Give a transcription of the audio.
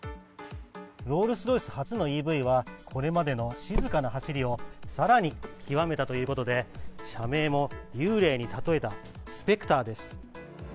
ロールスロイス初のＥＶはこれまでの静かな走りを更に極めたということで車名も幽霊に例えたスペクターです。